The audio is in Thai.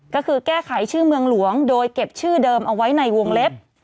ก็คือแก้ไขชื่อเมืองหลวงโดยเก็บชื่อเดิมเอาไว้ในวงเล็บ